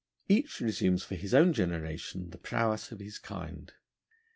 Each resumes for his own generation the prowess of his kind.